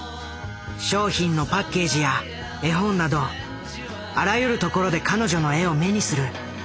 商品のパッケージや絵本などあらゆるところで彼女の絵を目にする。